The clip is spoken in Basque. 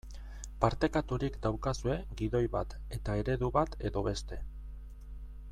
Partekaturik daukazue gidoi bat eta eredu bat edo beste.